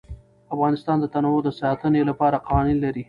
افغانستان د تنوع د ساتنې لپاره قوانین لري.